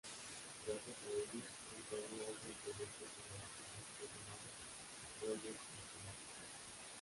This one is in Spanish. Gracias a ello se enroló en otro proyecto sobre matemáticas llamado "Project Mathematics!".